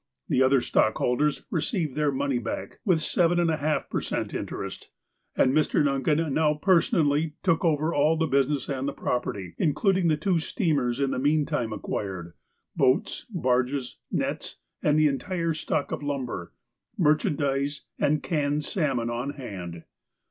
The other stockholders received their money back, with seven and a half per cent, interest, and Mr. Duncan now personally took over all the business and the property, including the two steamers in the meantime acquired, boats, barges, nets, and the entire stock of lumber, merchandise, and canned salmon on hand.